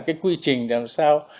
cái quy trình làm sao